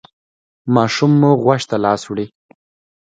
ماشوم مو غوږ ته لاس وړي؟